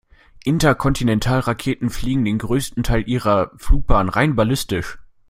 Interkontinentalraketen fliegen den größten Teil ihrer Flugbahn rein ballistisch.